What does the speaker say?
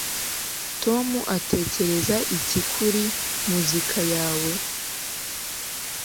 Tom atekereza iki kuri muzika yawe